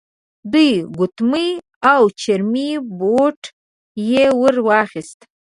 دوې ګوتمۍ او چرمې بټوه يې ور واخيستل.